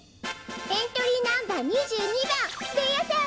エントリーナンバー２２ばんベーヤさん